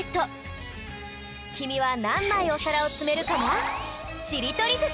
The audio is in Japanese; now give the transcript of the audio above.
きみはなんまいおさらをつめるかな？